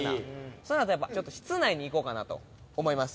そのあとやっぱちょっと室内に行こうかなと思います。